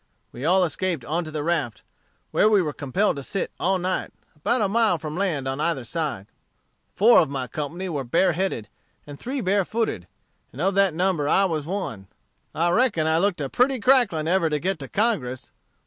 We all escaped on to the raft, where we were compelled to sit all night, about a mile from land on either side. Four of my company were bareheaded, and three barefooted; and of that number I was one. I reckon I looked like a pretty cracklin ever to get to Congress!